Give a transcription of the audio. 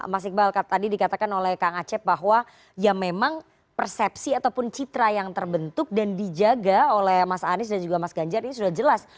mas iqbal tadi dikatakan oleh kang acep bahwa ya memang persepsi ataupun citra yang terbentuk dan dijaga oleh mas anies dan juga mas ganjar ini sudah jelas